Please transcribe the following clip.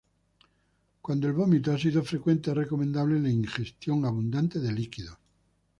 Cuando el vómito ha sido frecuente es recomendable la ingestión abundante de líquidos.